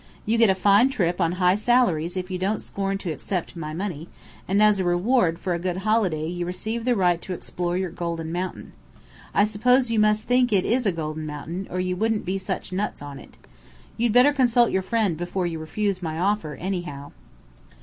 You get a fine trip on high salaries if you don't scorn to accept my money; and as a reward for a good holiday you receive the right to explore your golden mountain. I suppose you must think it is a golden mountain, or you wouldn't be such nuts on it. You'd better consult your friend before you refuse my offer, anyhow."